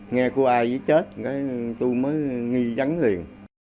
nghe cô ai chứ chết tôi mới nghi rắn liền